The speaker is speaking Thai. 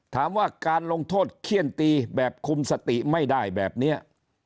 ถามว่าการลงโทษเขี้ยนตีแบบคุมสติไม่ได้แบบนี้